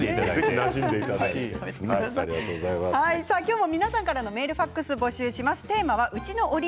今日も皆さんからメール、ファックス募集します。